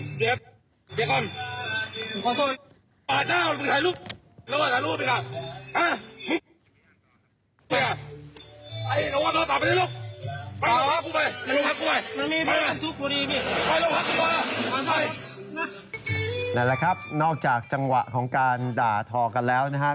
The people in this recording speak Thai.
นั่นแหละครับนอกจากจังหวะของการด่าทอกันแล้วนะครับ